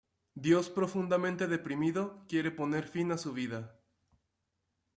Dios profundamente deprimido, quiere poner fin a su vida.